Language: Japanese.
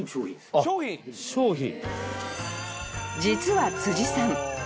［実は辻さん